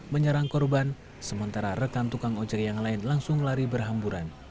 menyerang korban sementara rekan tukang ojek yang lain langsung lari berhamburan